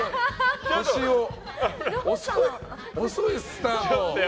遅いよ、スタート。